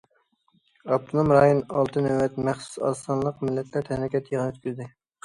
ئاپتونوم رايون ئالتە نۆۋەت مەخسۇس ئاز سانلىق مىللەتلەر تەنھەرىكەت يىغىنى ئۆتكۈزدى.